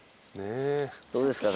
どうですか？